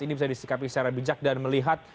ini bisa disikapi secara bijak dan melihat